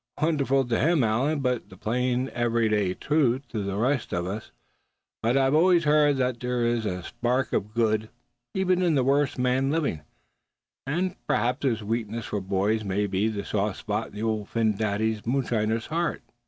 "Wonderful to him, Allan, but the plain every day truth to the rest of us. But I've always heard that there is a spark of good even in the worst man living; and perhaps his weakness for boys may be the soft spot in Old Phin Dady, the moonshiner's heart."